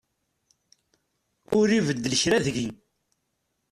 Ur ibeddel kra deg-i.